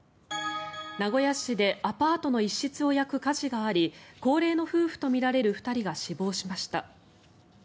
名古屋市でアパートの一室を焼く火事があり高齢の夫婦とみられる２人が死亡しました。